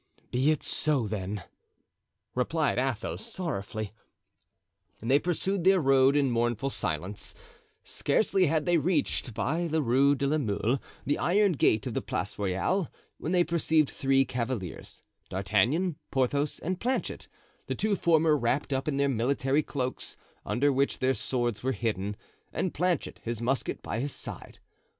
"Be it so then," replied Athos, sorrowfully. And they pursued their road in mournful silence. Scarcely had they reached by the Rue de la Mule the iron gate of the Place Royale, when they perceived three cavaliers, D'Artagnan, Porthos, and Planchet, the two former wrapped up in their military cloaks under which their swords were hidden, and Planchet, his musket by his side.